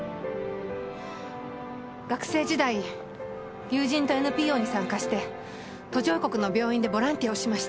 学生時代友人とＮＰＯに参加して途上国の病院でボランティアをしました。